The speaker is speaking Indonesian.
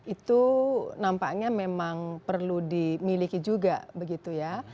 itu nampaknya memang perlu dimiliki juga begitu ya